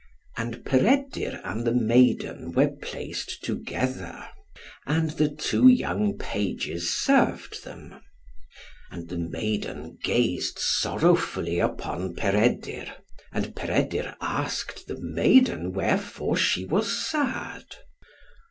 And Peredur and the maiden were placed together; and the two young pages served them. And the maiden gazed sorrowfully upon Peredur, and Peredur asked the maiden wherefore she was sad.